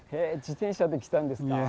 自転車で来たんですか？